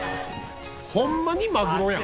「ホンマにマグロやん」